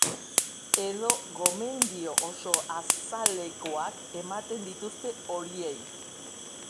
Edo gomendio oso azalekoak ematen dituzten horiei?